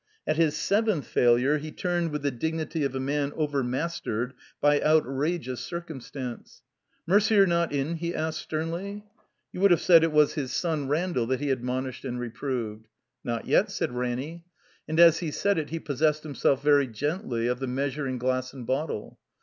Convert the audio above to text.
At his seventh failure he tiuned with the dignity of a man overmastered by outrageous circumstance. ''Merder not in ?" he asked, sternly. (You wotdd have said it was his son Randall that he admonished and reproved.) "Not yet," said Ranny. And as he said it he possessed himself very gently of the measuring glass and bottle.